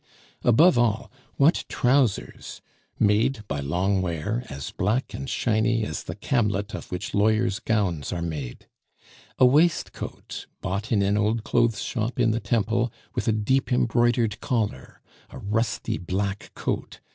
Above all, what trousers! made, by long wear, as black and shiny as the camlet of which lawyers' gowns are made! A waistcoat, bought in an old clothes shop in the Temple, with a deep embroidered collar! A rusty black coat!